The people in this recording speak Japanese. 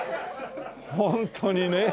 ホントにね。